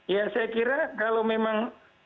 ya saya kira kalau memang